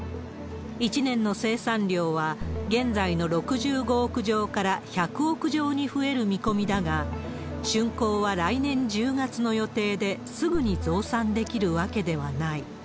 １年の生産量は現在の６５億錠から１００億錠に増える見込みだが、しゅんこうは来年１０月の予定で、すぐに増産できるわけではない。